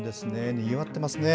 にぎわってますね。